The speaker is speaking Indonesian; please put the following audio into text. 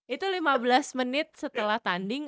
itu lima belas menit setelah tanding